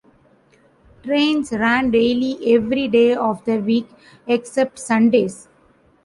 Trains ran daily every day of the week except Sundays.